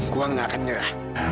gue gak kena